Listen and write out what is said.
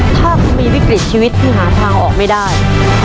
ถ้าคุณมีวิกฤตชีวิตที่หาทางออกไม่ได้